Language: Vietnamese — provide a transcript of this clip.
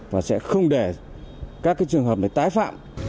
và sẽ không để các trường hợp tái phạm